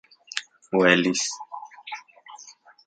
¿Uelis...?